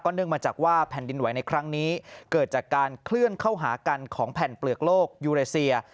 เนื่องมาจากว่าแผ่นดินไหวในครั้งนี้เกิดจากการเคลื่อนเข้าหากันของแผ่นเปลือกโลกยูเลเซีย